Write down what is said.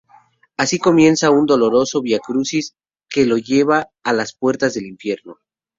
Así comienza un doloroso viacrucis que lo lleva a las puertas del infierno.